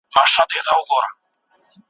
څېړونکی د خپلو پایلو د دقیقوالي ډاډ ورکوي.